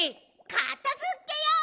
かたづけよう！